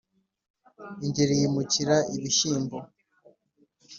ingeri yimukira ibishyimbo